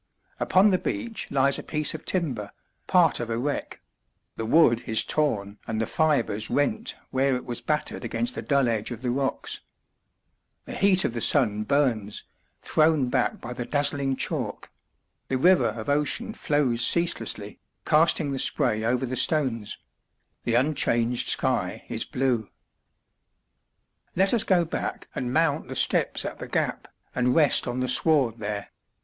Upon the beach lies a piece of timber, part of a wreck; the wood is torn and the fibres rent where it was battered against the dull edge of the rocks. The heat of the sun burns, thrown back by the dazzling chalk; the river of ocean flows ceaselessly, casting the spray over the stones; the unchanged sky is blue. Let us go back and mount the steps at the Gap, and rest on the sward there.